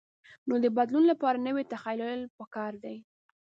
نو د بدلون لپاره نوی تخیل پکار دی.